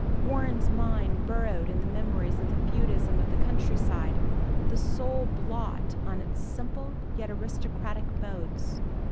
Warren's mind burrowed in the memories of the feudism of the countryside, the sole blot on its simple yet aristocratic modes.